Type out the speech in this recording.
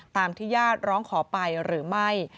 ตามที่ญาติร้องขอไปหรือไม่